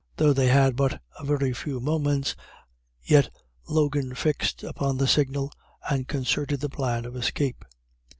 Though they had but a very few moments, yet Logan fixed upon the signal, and concerted the plan of escape.